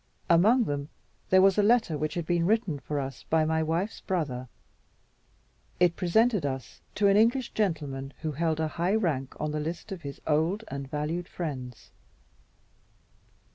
Among them there was a letter which had been written for us by my wife's brother. It presented us to an English gentleman who held a high rank on the list of his old and valued friends.